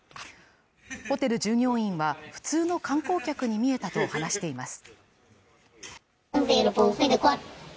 ホテル従業員は普通の観光客に見えたと話しています。